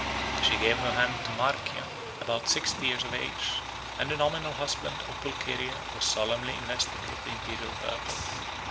She gave her hand to Marcian, a senator, about sixty years of age; and the nominal husband of Pulcheria was solemnly invested with the Imperial purple.